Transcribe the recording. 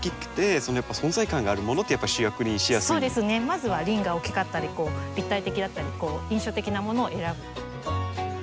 まずは輪が大きかったり立体的だったり印象的なものを選ぶ。